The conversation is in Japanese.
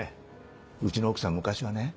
うちの奥さん昔はね